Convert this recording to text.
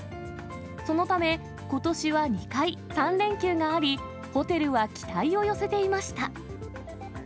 そのため、ことしは２回、３連休があり、ホテルは期待を寄せていました。